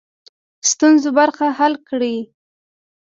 ستونزو برخه حل کړي.